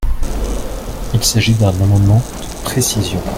Il s’agit d’un amendement de précision.